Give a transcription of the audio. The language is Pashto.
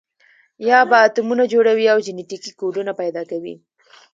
یا به اتمونه جوړوي او جنټیکي کوډونه پیدا کوي.